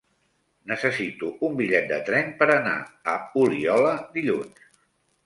Necessito un bitllet de tren per anar a Oliola dilluns.